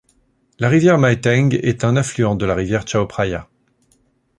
La rivière Mae Taeng est un affluent de la rivière Chao Phraya.